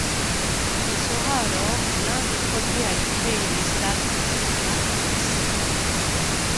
Il sera alors l'un des premiers à y créer des salles de cinéma fixes.